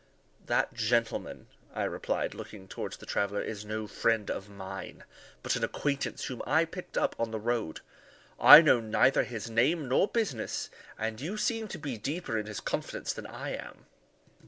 "That gentleman," I replied, looking towards the traveller, "is no friend of mine, but an acquaintance whom I picked up on the road. I know neither his name nor business, and you seem to be deeper in his confidence than I am."